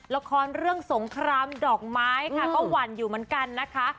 ละครเรื่องสงครามดอกไม้ค่ะก็หวั่นอยู่เหมือนกันนะคะ